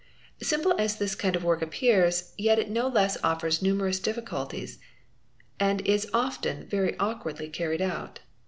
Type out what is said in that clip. j Simple as this kind of work appears yet it no less offers numerous ' difficulties and is often very awkwardly carried out.